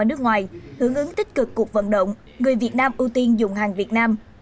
ở nước ngoài hưởng ứng tích cực cuộc vận động người việt nam ưu tiên dùng hàng việt nam